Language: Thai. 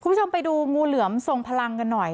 คุณผู้ชมไปดูงูเหลือมทรงพลังกันหน่อย